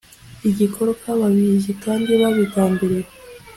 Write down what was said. igikorwa babizi kandi babigambiriye